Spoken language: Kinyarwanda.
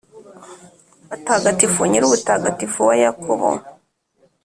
batagatifuze Nyirubutagatifu wa Yakobo,